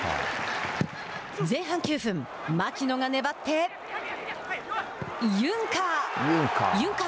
前半９分、槙野が粘って、ユンカー。